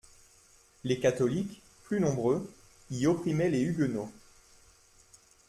Les catholiques, plus nombreux, y opprimaient les huguenots.